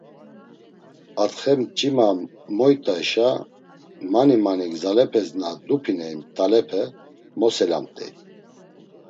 Atxe mç̌ima moyt̆aşa mani mani gzalepes na dupiney mt̆alepe moselamt̆ey.